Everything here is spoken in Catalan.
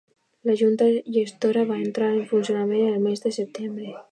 La junta gestora va entrar en funcionament en el mes de setembre.